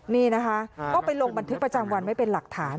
นี่นะคะก็ไปลงบันทึกประจำวันไว้เป็นหลักฐาน